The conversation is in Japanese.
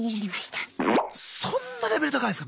そんなレベル高いんですかみんな。